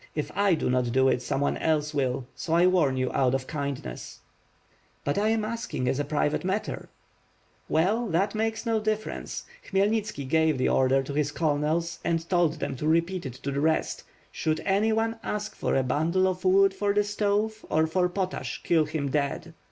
If I do not do it, some one else will, so I warn you out of kindness." ^TBut I am asking as a private matter." 6oo» W^^^ ^I^^ ^^^ SWORD. "Well that makes no difference, Khmyelnitski gave the order to his colonels and told them to repeat it to the rest, ^should anyone ask you for a bundle of wood for the stove, or for potash, kill him dead.'